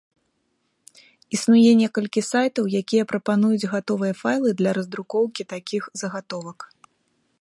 Існуе некалькі сайтаў, якія прапануюць гатовыя файлы для раздрукоўкі такіх загатовак.